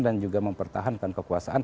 dan juga mempertahankan kekuasaan